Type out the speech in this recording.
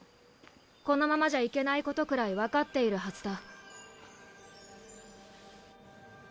このままじゃいけないことくらい分かっているはずだ。